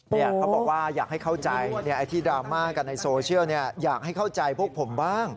เขาบอกว่าอยากให้เข้าใจที่ดราม่ากันในโซเชียลอยากให้เข้าใจพวกผมบ้าง